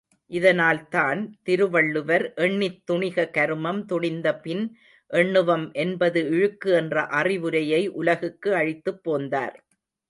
இதனால்தான் திருவள்ளுவர் எண்ணித் துணிக கருமம் துணிந்தபின் எண்ணுவம் என்பது இழுக்கு என்ற அறிவுரையை உலகுக்கு அளித்துப் போந்தார்.